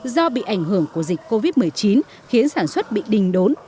do bị ảnh hưởng của dịch covid một mươi chín khiến sản xuất bị đình đốn